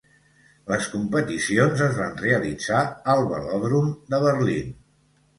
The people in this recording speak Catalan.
Les competicions es van realitzar al Velòdrom de Berlín.